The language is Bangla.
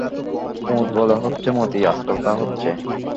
কুমুদ বলে, হচ্ছে মতি, আজকাল তা হচ্ছে।